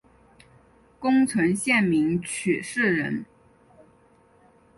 宫城县名取市人。